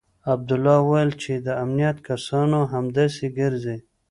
عبدالله وويل چې د امنيت کسان همداسې ګرځي.